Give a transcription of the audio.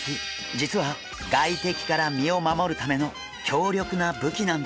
実は外敵から身を守るための強力な武器なんです。